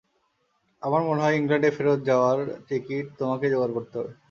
আমার মনে হয়, ইংল্যান্ডে ফেরত যাওয়ার টিকিট তোমাকেই জোগাড় করতে হবে।